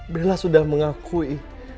bella sudah mengakui